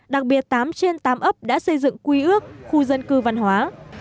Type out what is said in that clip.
đặc biệt tám trên tám ấp đã xây dựng quy ước khu dân cư văn hóa